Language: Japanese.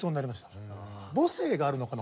母性があるのかな？